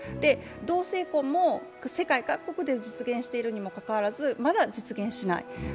同性婚も世界各国で実現しているにもかかわらず、まだ実現しない。